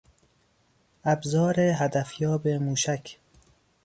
ابزار هدفیاب موشک